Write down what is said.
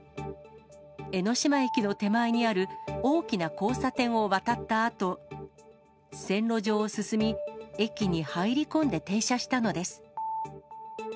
江ノ島駅の手前にある大きな交差点を渡ったあと、線路上を進み、駅に入り込んで停車したのです。